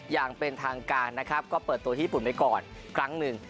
อย่างเป็นทางการนะครับก็เปิดตัวที่ญี่ปุ่นไปก่อนครั้งหนึ่ง